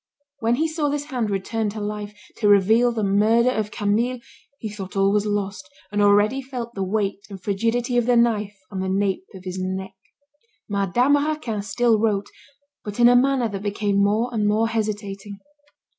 When he saw this hand return to life to reveal the murder of Camille, he thought all was lost, and already felt the weight and frigidity of the knife on the nape of his neck. Madame Raquin still wrote, but in a manner that became more and more hesitating.